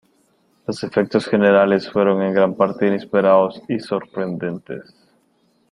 Los efectos generales fueron en gran parte inesperados y sorprendentes.